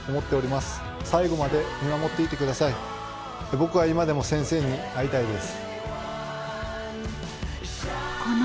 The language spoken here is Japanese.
「僕は今でも先生に会いたいです」。